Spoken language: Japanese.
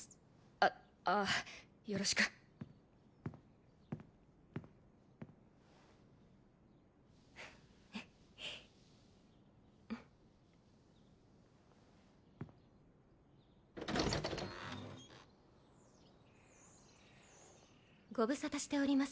あああよろしくご無沙汰しております